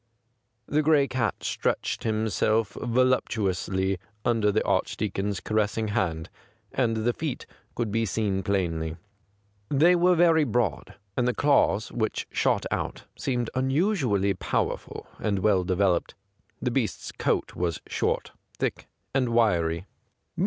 The gray cat stretched himself 171 I 2 THE GRAY CAT voluptuouslyunder the Archdeacon's caressing hand, and the feet could be seen plainly. They were veiy broad, and the claws, which shot out, seemed unusually powerful and well developed. The beast's coat was short, thick, and wiry.